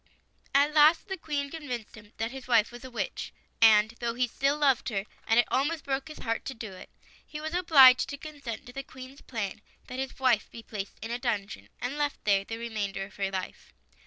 At last the Queen convinced him that his wife was a witch; and though he still loved her, and it almost broke his heart to do it, he was obliged to consent to the Queen's plan that his wife be placed in a dungeon, and left there the remainder of her life.